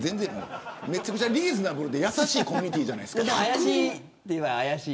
めちゃくちゃリーズナブルでやさしいコミュニティーじゃないですか。